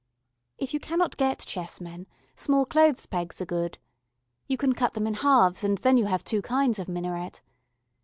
If you cannot get chessmen, small clothes pegs are good. You can cut them in halves and then you have two kinds of minaret.